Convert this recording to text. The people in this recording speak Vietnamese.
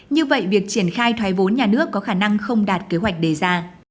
như vậy việc triển khai thoái vốn nhà nước có khả năng không đạt kế hoạch đề ra